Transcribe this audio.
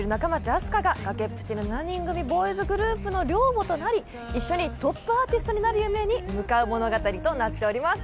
あす花が崖っぷちの７人組ボーイズグループの寮母になり、一緒にトップアーティストになる夢に向かう物語となっています。